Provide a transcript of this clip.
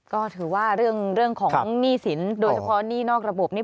ก็ถือว่าเรื่องของหนี้สินโดยเฉพาะหนี้นอกระบบนี้